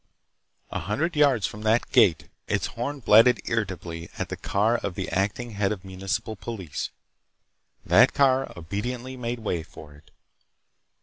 A hundred yards from that gate, its horn blatted irritably at the car of the acting head of municipal police. That car obediently made way for it.